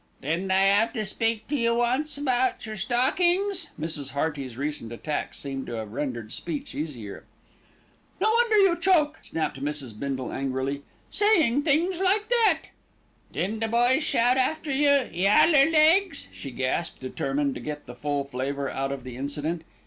"Didn't I 'ave to speak to you once about your stockings?" Mrs. Hearty's recent attack seemed to have rendered speech easier. "No wonder you choke," snapped Mrs. Bindle angrily, "saying things like that." "Didn't the boys shout after you 'yaller legs'?" she gasped, determined to get the full flavour out of the incident.